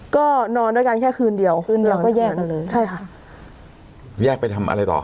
ก็นอนด้วยกันแค่คืนเดียวคืนเราก็แยกกันเลยใช่ค่ะแยกไปทำอะไรต่อ